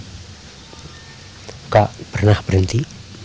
tidak pernah berhenti